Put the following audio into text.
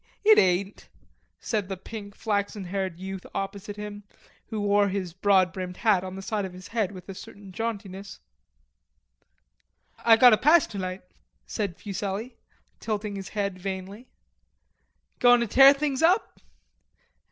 "It ain't," said the pink flaxen haired youth opposite him, who wore his broad brimmed hat on the side of his head with a certain jauntiness: "I got a pass tonight," said Fuselli, tilting his head vainly. "Goin' to tear things up?"